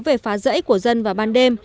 về phá rẫy của dân vào ban đêm